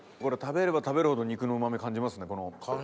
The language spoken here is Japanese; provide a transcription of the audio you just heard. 食べれば食べるほど肉のうま味感じますね。